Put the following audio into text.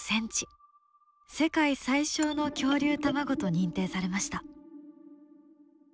世界最小の恐竜卵と認定されました。